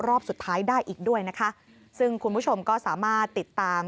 รอบสุดท้ายได้อีกด้วยนะคะซึ่งคุณผู้ชมก็สามารถติดตาม